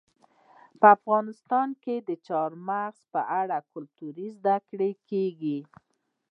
په افغانستان کې د چار مغز په اړه ګټورې زده کړې کېږي.